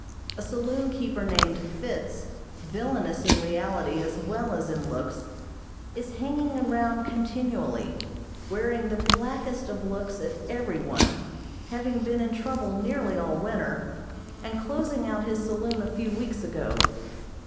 A saloon keeper named Fitts, villainous in reality as well as in looks, is hanging around continually, wearing the blackest of looks at every one, having been in trouble nearly all winter, and closing out his saloon a few weeks ago.